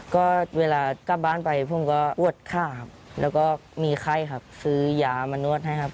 ก็เวลากลับบ้านไปผมก็ปวดขาครับแล้วก็มีไข้ครับซื้อยามานวดให้ครับ